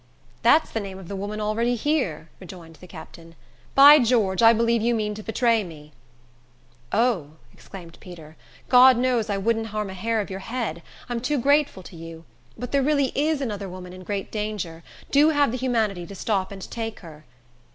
"That's the name of the woman already here," rejoined the captain. "By George! I believe you mean to betray me." "O!" exclaimed Peter, "God knows I wouldn't harm a hair of your head. I am too grateful to you. But there really is another woman in great danger. Do have the humanity to stop and take her!"